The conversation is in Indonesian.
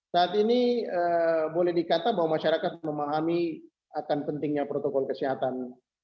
saat ini boleh dikata bahwa masyarakat memahami akan pentingnya protokol kesehatan